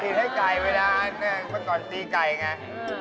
ฉีดให้ไก่เวลามันก่อนตีไก่ไง